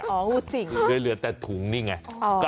งูสิงเลยเหลือแต่ถุงนี่ไง